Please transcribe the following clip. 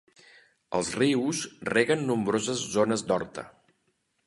Els rius reguen nombroses zones d'horta.